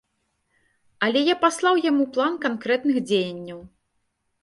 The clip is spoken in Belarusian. Але я паслаў яму план канкрэтных дзеянняў.